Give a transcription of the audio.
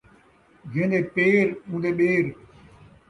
جین٘دے پیر، اون٘دے ٻیر